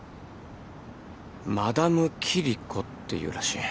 マダムキリコっていうらしい。